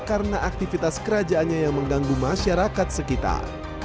karena aktivitas kerajaannya yang mengganggu masyarakat sekitar